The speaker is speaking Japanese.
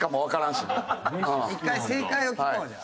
１回正解を聞こうじゃあ。